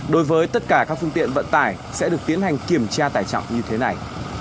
đối với tất cả các phương tiện vận tải sẽ được tiến hành kiểm tra tải trọng như thế này